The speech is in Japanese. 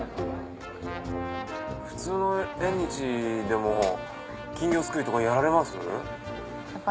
普通の縁日でも金魚すくいとかやられます？